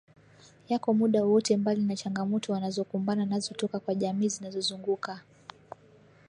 yako muda wowote Mbali na changamoto wanazo kumbana nazo toka kwa jamii zinazo zunguka